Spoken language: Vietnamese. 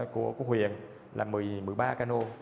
của huyền là một mươi ba cano